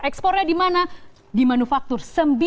ekspornya di mana di manufaktur